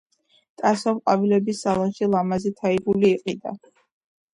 ტასომ ყვავილების სალონში ლამაზი თაიგული იყიდა